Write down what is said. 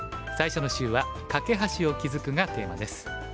最初の週は「カケ橋を築く」がテーマです。